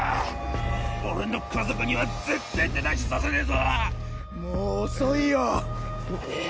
俺の家族にはぜってえ手出しさせねえぞもう遅いよ何！？